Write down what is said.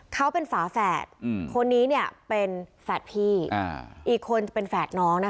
เขาเป็นฝาแฝดคนนี้เนี่ยเป็นแฝดพี่อีกคนจะเป็นแฝดน้องนะคะ